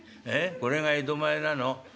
これが江戸前なの」。